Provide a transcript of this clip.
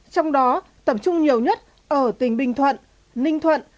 trong đó tập trung nhiều nhất ở tỉnh bình thuận ninh thuận